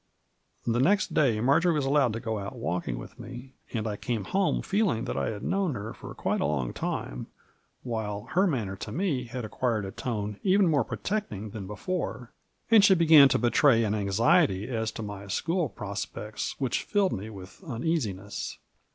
The next day Marjory was allowed to go out walk ing with me, and I came home feeling that I had known her for quite a long time, while her manner to me had acquired a tone even more protecting than before, and she began to betray an anxiety as to my school prospects which filled me with uneasiness.